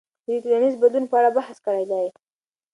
دوی د ټولنیز بدلون په اړه بحث کړی دی.